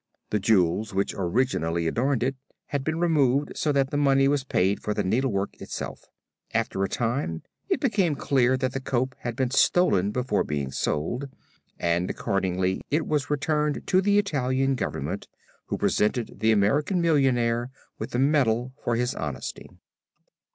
The jewels which originally adorned it had been removed so that the money was paid for the needlework itself. After a time it became clear that the Cope had been stolen before being sold, and accordingly it was returned to the Italian government who presented the American millionaire with a medal for his honesty.